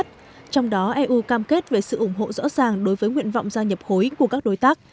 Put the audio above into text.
trong đó eu cam kết về sự ủng hộ rõ ràng đối với nguyện vọng gia nhập khối của các đối tác